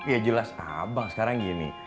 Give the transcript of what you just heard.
ya jelas abang sekarang gini